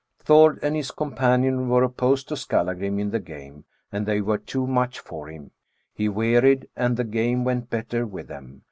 " Thord and his companion were opposed to Skallngrim in the game, and they were too much for him, he wearied, and the game went better with them.